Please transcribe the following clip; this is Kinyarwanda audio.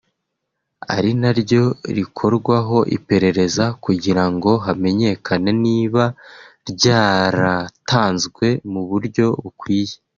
ari naryo rikorwaho iperereza kugirango hamenyekane niba ryaratanzwe mu buryo bukwiye